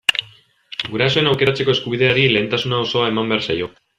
Gurasoen aukeratzeko eskubideari lehentasuna osoa eman behar zaio.